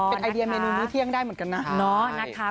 เป็นไอเดียเมนูมื้อเที่ยงได้เหมือนกันนะ